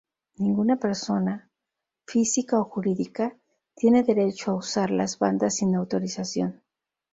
Ninguna persona, física o jurídica, tiene derecho a usar las bandas sin autorización.